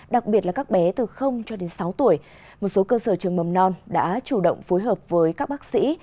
đặc biệt là các bé từ cho đến sáu tuổi một số cơ sở trường mầm non đã chủ động phối hợp với các bác sĩ